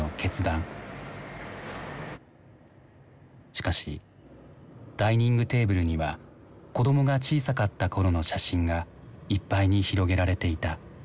しかしダイニングテーブルには子どもが小さかった頃の写真がいっぱいに広げられていた。